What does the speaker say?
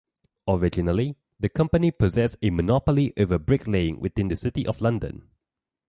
Originally, the Company possessed a monopoly over bricklaying within the City of London.